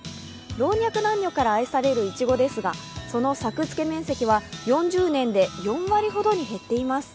老若男女から愛されるいちごですが、その作付面積は４０年で４割ほどに減っています。